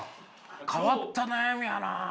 変わった悩みやなあ。